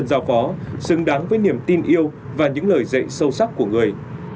đó xứng đáng với niềm tin yêu và những lời dạy sâu sắc của người